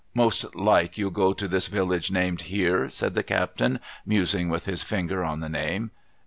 Most like, you'll go to this village named here ?' said the captain, musing, with his finger on the name.